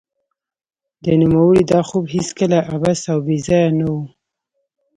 د نوموړي دا خوب هېڅکله عبث او بې ځای نه و